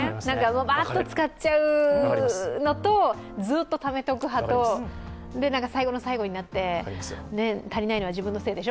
ばっと使っちゃうのと、ずーっとためておく派と、最後の最後になって、足りないのは自分のせいでしょ？